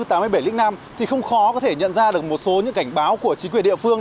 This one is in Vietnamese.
thì khó có thể nhận ra được một số những cảnh báo của chính quyền địa phương